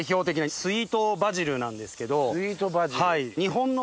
スイートバジル？